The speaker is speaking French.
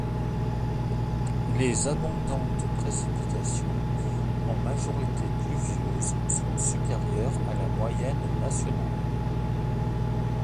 Les abondantes précipitations, en majorité pluvieuses, sont supérieures à la moyenne nationale.